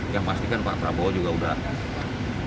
yang pasti kan pak prabowo juga sudah